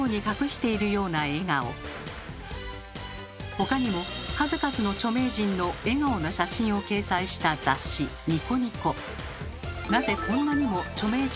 他にも数々の著名人の笑顔の写真を掲載した雑誌「ニコニコ」。